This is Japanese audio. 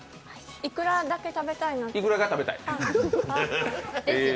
いくらだけ食べたい。